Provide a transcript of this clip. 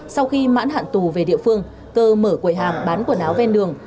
sau khi mãn hạn tù về địa phương cơ mở quầy hàng bán quần áo ven đường